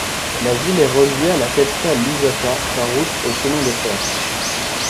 La ville est reliée à la capitale Lusaka par route et chemin de fer.